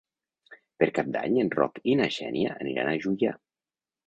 Per Cap d'Any en Roc i na Xènia aniran a Juià.